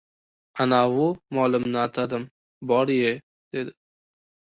— Anavi molimni atadim, bor-ye! — dedi.